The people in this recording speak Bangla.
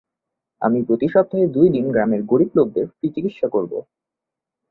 আমি প্রতি সপ্তাহে দুই দিন গ্রামের গরিব লোকেদের ফ্রি চিকিৎসা করব।